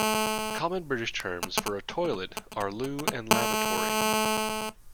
Common British terms for a toilet are loo and lavatory